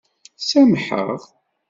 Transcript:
Sameḥ-aɣ.